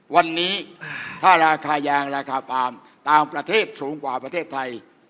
วันนี้ถ้าราคายางราคาปาล์มต่างประเทศสูงกว่าประเทศไทย